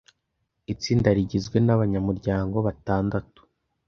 Itsinda rigizwe nabanyamuryango batandatu.